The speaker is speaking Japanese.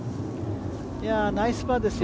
ナイスパーですよ